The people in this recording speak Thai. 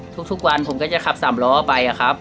ทุกวันผมก็จะขับสามล้อไปครับ